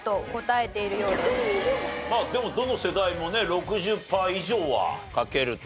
でもどの世代もね６０パー以上はかけると。